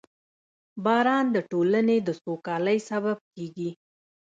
• باران د ټولنې د سوکالۍ سبب کېږي.